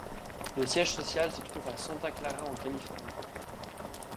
Le siège social se trouve à Santa Clara en Californie.